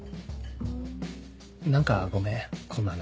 何かごめんこんな話。